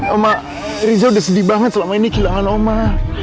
omah riza udah sedih banget selama ini kehilangan omah